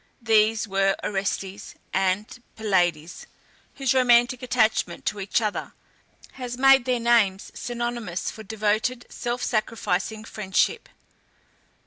These were Orestes and Pylades, whose romantic attachment to each other has made their names synonymous for devoted self sacrificing friendship.